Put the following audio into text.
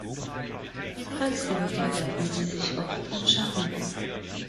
Tagsüber verbergen sie sich oft im Schatten.